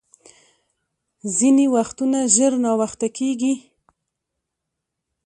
ځیني وختونه ژر ناوخته کېږي .